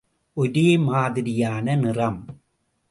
ஒரே மாதிரியான நிறம்.